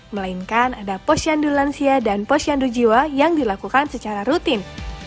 melainkan ada posyandu lansia dan posyandu jiwa yang dilakukan secara rutin